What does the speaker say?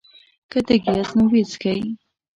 که تږي ياست نو ويې څښئ!